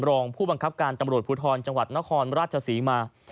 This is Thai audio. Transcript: รองผู้บังคับการตำรวจภูทรจังหวัดนครราชศรีมา